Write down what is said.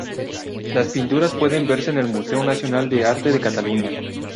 Las pinturas pueden verse en el Museo Nacional de Arte de Cataluña.